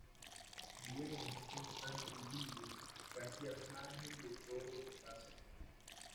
Viven en un constante idilio, casi al margen de todo lo que pasa.